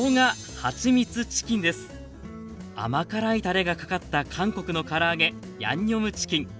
甘辛いタレがかかった韓国のから揚げヤンニョムチキン。